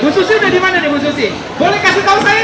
bu susi udah dimana nih bu susi